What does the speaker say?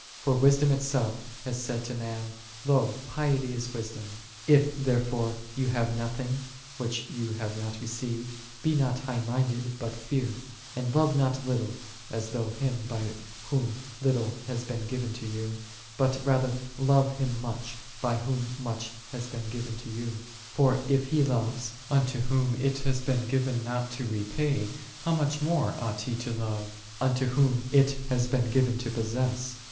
"" For Wisdom Itself hath said unto man, " Lo, piety is wis dom!"'3 If therefore thou hast nothing, which thou hast not received, " Be not high minded, but fear."14 And love not thou little, as though Him by Whom little hath been forgiven to thee; but, rather, love Him much, by Whom much hath been given to thee. For if he loves, unto whom it hath been given not to repay: how much more ought he to love, unto whom it hath been given to possess.